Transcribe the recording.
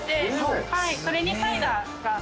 これにサイダー？